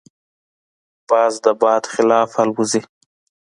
باز د باد خلاف الوزي